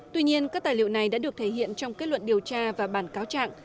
tuy nhiên các tài liệu này đã được thể hiện trong kết luận điều tra và bản cáo trạng